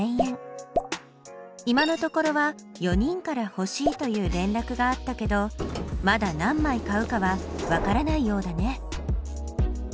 今のところは４人から欲しいという連絡があったけどまだ何枚買うかはわからないようだね。